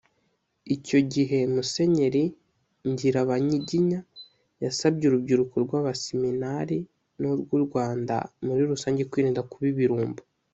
Icyo gihe Musenyeri Ngirabanyiginya yasabye urubyiruko rw’abaseminari n’urw’u Rwanda muri rusange kwirinda kuba ibirumbo